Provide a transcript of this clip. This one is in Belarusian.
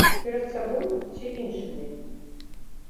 Перад сабой ці іншымі?